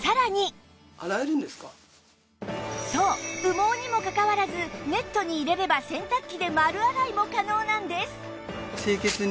羽毛にもかかわらずネットに入れれば洗濯機で丸洗いも可能なんです